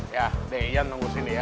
ya deh iyan nunggu sini ya